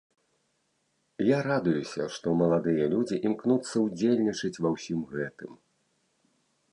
Я радуюся, што маладыя людзі імкнуцца ўдзельнічаць ва ўсім гэтым.